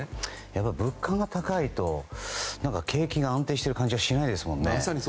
やっぱり物価が高いと景気が安定してる感じがしないですよね。